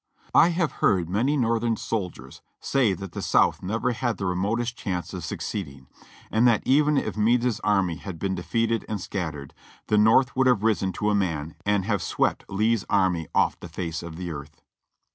I have heard many Northern soldiers say that the South never had the remotest chance of succeeding, and that even if Meade's army had been defeated and scattered, the North would have risen to a man and have swept Lee's army off the face of the earth.